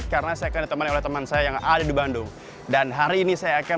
karena saya akan ditemani oleh teman saya yang ada di bandung dan hari ini saya akan